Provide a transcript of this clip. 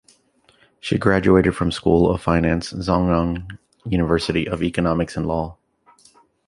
She graduated from School of Finance, Zhongnan University of Economics and Law